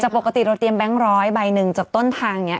แต่ปกติเราเตรียมแบงค์๑๐๐ใบนึงจากต้นทางนี้